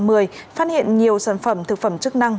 phát hiện nhiều sản phẩm thực phẩm chức năng